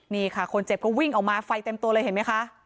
นี่ค่ะคนเจ็บก็วิ่งออกมาไฟเต็มตัวเลยเห็นไหมคะ